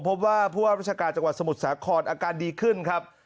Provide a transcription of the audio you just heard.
พบว่าผู้ว่าราชการจังหวัดสมุทรสาครอาการดีขึ้นครับ